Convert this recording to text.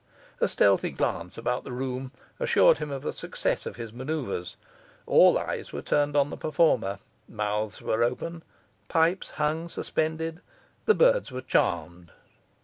A stealthy glance about the room assured him of the success of his manoeuvres; all eyes were turned on the performer, mouths were open, pipes hung suspended; the birds were charmed.